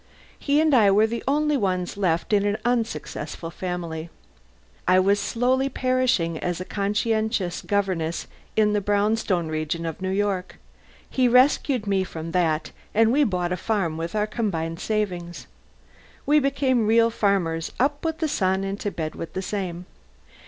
He and I were the only ones left in an unsuccessful family. I was slowly perishing as a conscientious governess in the brownstone region of New York. He rescued me from that and we bought a farm with our combined savings. We became real farmers, up with the sun and to bed with the same.